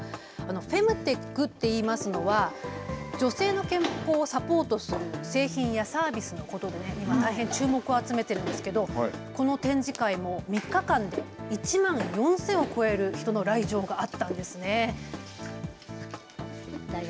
フェムテックと言いますのは女性の健康をサポートする製品やサービスのことで今、大変注目を集めているんですけれどこの展示会も３日間で１万４０００を超える人の来場があったんですね。